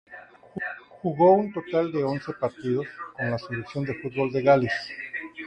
Jugó un total de once partidos con la selección de fútbol de Gales.